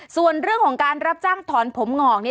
ส่วนเรื่องของการรับจ้างถอนผมงอก